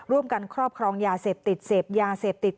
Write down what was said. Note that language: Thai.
ร่วมกันครอบครองยาเสพติดเสพยาเสพติด